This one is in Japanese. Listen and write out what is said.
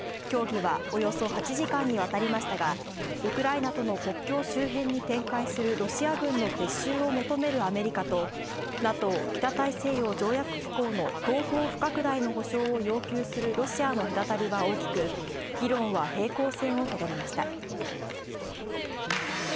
協議はおよそ８時間にわたりましたがウクライナとの国境近辺に展開するロシア軍の撤収を求めるアメリカとＮＡＴＯ＝北大西洋条約機構の東方不拡大の保証を要求するロシアの隔たりは大きく、議論は平行線をたどりました。